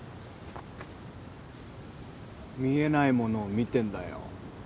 見えないものを見てんだよ。